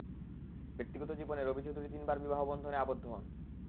ব্যক্তিগত জীবনে রবি চৌধুরী তিনবার বিবাহ বন্ধনে আবদ্ধ হন।